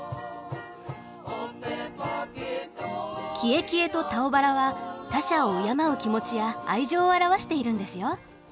「キエキエ」と「タオバラ」は他者を敬う気持ちや愛情を表しているんですよ。